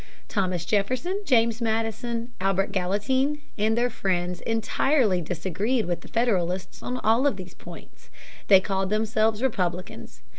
Thomas Jefferson, James Madison, Albert Gallatin, and their friends entirely disagreed with the Federalists on all of these points. They called themselves Republicans.